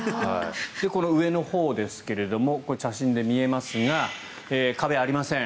この上のほうですが写真で見えますが壁、ありません。